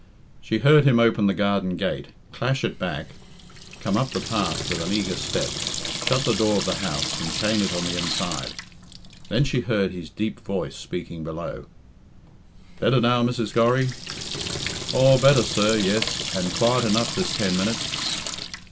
She heard him open the garden gate, clash it back, come up the path with an eager step, shut the door of the house and chain it on the inside. Then she heard his deep voice speaking below. "Better now, Mrs. Gorry?" "Aw, better, sir, yes, and quiet enough this ten minutes."